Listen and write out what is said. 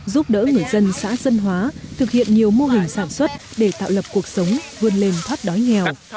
giúp đỡ người dân xã dân hóa thực hiện nhiều mô hình sản xuất để tạo lập cuộc sống vươn lên thoát đói nghèo